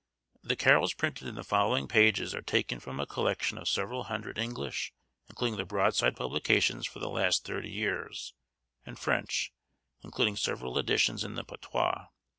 The carols printed in the following pages, are taken from a collection of several hundred English, including the broadside publications for the last thirty years; and French, including several editions in the patois.